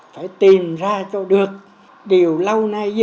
phải tìm ra cho được điều lâu nay dư